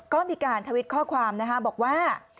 ก็มีการทวิตข้อความนะคะบอกว่า